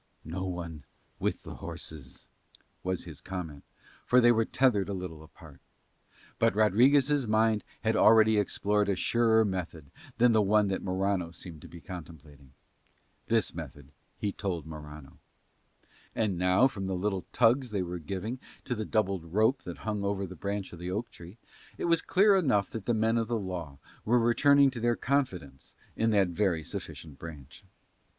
"No one with the horses," was his comment; for they were tethered a little apart. But Rodriguez' mind had already explored a surer method than the one that Morano seemed to be contemplating. This method he told Morano. And now, from little tugs that they were giving to the doubled rope that hung over the branch of the oak tree, it was clear enough that the men of the law were returning to their confidence in that very sufficient branch.